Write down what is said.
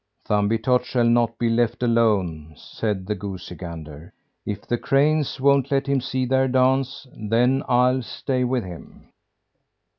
"Thumbietot shall not be left alone!" said the goosey gander. "If the cranes won't let him see their dance, then I'll stay with him."